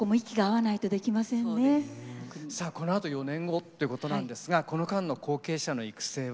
さあこのあと４年後ってことなんですがこの間の後継者の育成は？